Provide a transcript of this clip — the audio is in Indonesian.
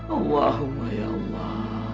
allahumma ya allah